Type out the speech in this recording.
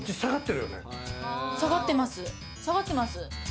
下がってます。